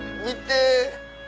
見て！